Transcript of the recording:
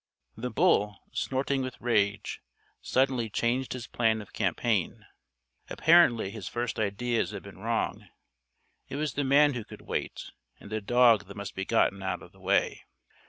The bull, snorting with rage, suddenly changed his plan of campaign. Apparently his first ideas had been wrong. It was the man who could wait, and the dog that must be gotten out of the way.